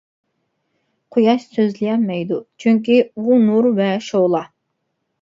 قۇياش سۆزلىيەلمەيدۇ، چۈنكى ئۇ نۇر ۋە شولا.